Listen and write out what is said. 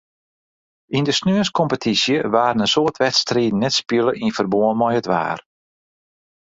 Yn de saterdeiskompetysje waarden in soad wedstriden net spile yn ferbân mei it waar.